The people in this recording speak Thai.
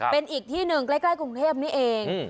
เป็นอีกที่หนึ่งใกล้กรุงเทพนี่เอง